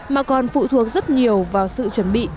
mà còn phụ thuộc rất nhiều vào sự chuẩn bị